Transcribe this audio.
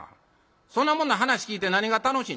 そんなもんの噺聴いて何が楽しい」。